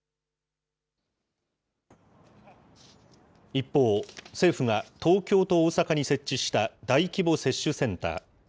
一方、政府が東京と大阪に設置した大規模接種センター。